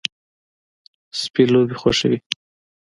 سپي لوبې خوښوي.